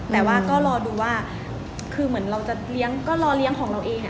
แต่ว่าก็รอดูว่าคือเหมือนเราจะเลี้ยงก็รอเลี้ยงของเราเอง